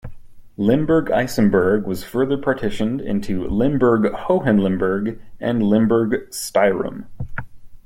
Limburg-Isenberg was further partitioned into Limburg-Hohenlimburg and Limburg-Styrum.